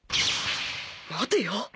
待てよ！